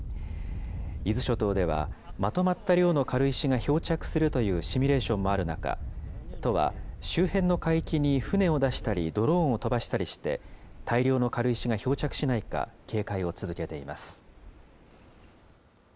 伊豆諸島では、まとまった量の軽石が漂着するというシミュレーションもある中、都は周辺の海域に船を出したりドローンを飛ばしたりして、大量の軽石が漂着しないか、警戒を続けています。